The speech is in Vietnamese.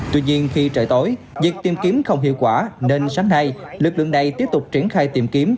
tuy nhiên khi trời tối việc tìm kiếm không hiệu quả nên sáng nay lực lượng này tiếp tục triển khai tìm kiếm